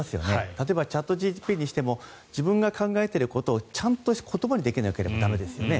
例えば、チャットＧＰＴにしても自分が考えていることをちゃんと言葉にできなければ駄目ですよね。